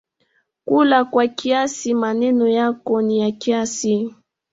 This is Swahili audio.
Kula kwa kiasi…Maneno yako ni ya kiasi